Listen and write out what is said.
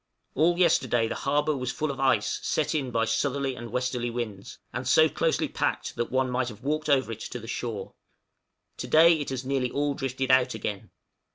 All yesterday the harbor was full of ice set in by southerly and westerly winds, and so closely packed that one might have walked over it to the shore; to day it has nearly all drifted out again.